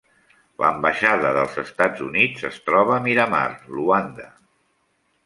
L'ambaixada dels Estats Units es troba a Miramar, Luanda.